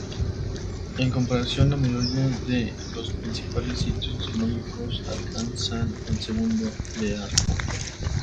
En comparación, la mayoría de los principales sitios astronómicos alcanzan el segundo de arco.